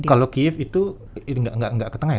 kalau kiev itu gak ke tengah ya